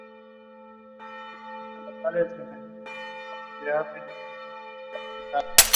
La Segunda República Española le empleó como funcionario del Ministerio de Educación.